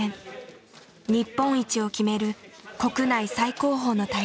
日本一を決める国内最高峰の大会だ。